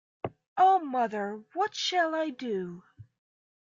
O mother, what shall I do?